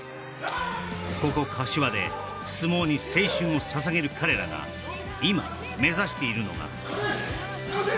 ここ柏で相撲に青春を捧げる彼らが今目指しているのが立て横瀬